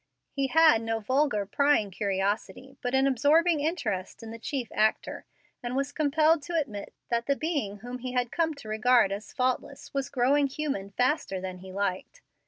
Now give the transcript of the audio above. He had no vulgar, prying curiosity, but an absorbing interest in the chief actor; and was compelled to admit that the being whom he had come to regard as faultless was growing human faster than he liked.